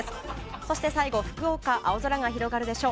そして最後、福岡青空が広がるでしょう。